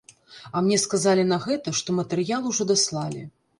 А мне сказалі на гэта, што матэрыял ужо даслалі.